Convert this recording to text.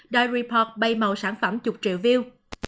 đòi report bay màu sản phẩm chục triệu view